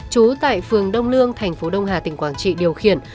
chú tại phường đông lương tp đông hà tỉnh quảng trị điều khiển